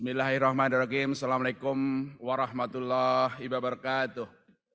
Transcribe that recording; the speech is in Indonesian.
bismillahirrahmanirrahim assalamualaikum warahmatullah wabarakatuh